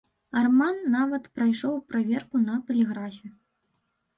Арман нават прайшоў праверку на паліграфе.